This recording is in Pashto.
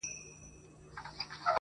• خو زړه کي سيوری شته تل,